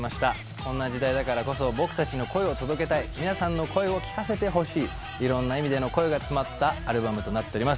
こんな時代だからこそ僕達の声を届けたい皆さんの声を聞かせてほしい色んな意味での声が詰まったアルバムとなっております